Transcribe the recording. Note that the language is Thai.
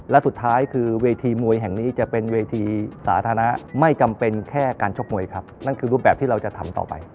และสุดท้ายคือเวทีมวยแห่งนี้จะเป็นเวทีสาธารณะไม่จำเป็นแค่การชกมวยครับนั่นคือรูปแบบที่เราจะทำต่อไป